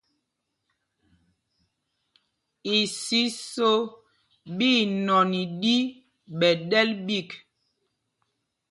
Isiso ɓí inɔn i ɗi ɓɛ̌ ɗɛ́l ɓîk.